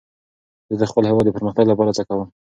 زه د خپل هېواد د پرمختګ لپاره هڅه کوم.